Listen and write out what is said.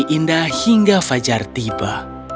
yang indah hingga fajar tiba